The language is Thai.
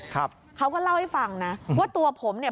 เขาก็เล่าให้ฟังนะว่าตัวผมเนี่ย